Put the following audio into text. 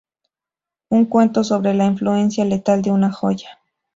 Un cuento sobre la influencia letal de una joya.